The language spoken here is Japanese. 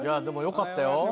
でもよかったよ。